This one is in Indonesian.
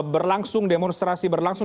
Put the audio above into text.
berlangsung demonstrasi berlangsung